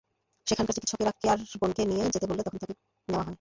সেখানকার চিকিৎসকেরা কেয়ার বোনকে নিয়ে যেতে বললে তখন তাঁকে নেওয়া হবে।